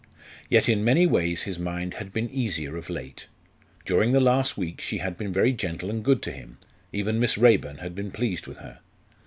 Yet in many ways his mind had been easier of late. During the last week she had been very gentle and good to him even Miss Raeburn had been pleased with her.